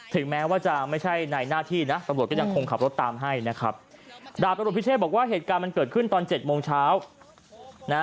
ถึงแม้ว่าจะไม่ใช่ในหน้าที่นะตำรวจก็ยังคงขับรถตามให้นะครับดาบตำรวจพิเชษบอกว่าเหตุการณ์มันเกิดขึ้นตอนเจ็ดโมงเช้านะ